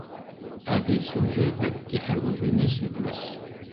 Ad d-issewǧed tiḥerbunin-is n tmes.